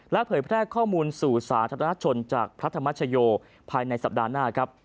เผยแพร่ข้อมูลสู่สาธารณชนจากพระธรรมชโยภายในสัปดาห์หน้าครับ